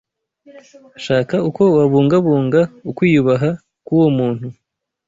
Shaka uko wabungabunga ukwiyubaha k’uwo muntu